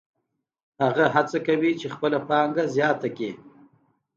هغه هڅه کوي چې خپله پانګه زیاته کړي